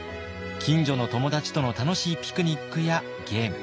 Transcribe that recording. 近所の友達との楽しいピクニックやゲーム。